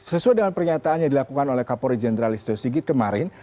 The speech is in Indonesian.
sesuai dengan pernyataan yang dilakukan oleh kapolri jenderal isto sigit kemarin